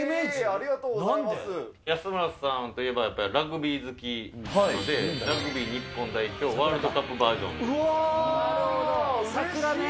ありがとうござい安村さんといえば、ラグビー好きなので、ラグビー日本代表ワールドカップバージョンで。